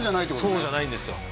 そうじゃないんですよ